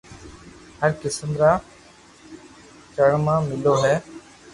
هر قسم را چۮما ملو هو